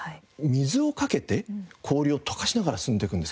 水をかけて氷を溶かしながら進んでいくんですか？